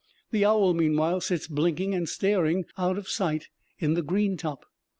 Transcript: The owl meanwhile sits blinking and staring, out of sight in the green top.